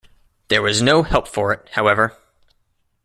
There was no help for it, however.